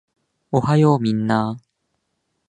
おはようみんなー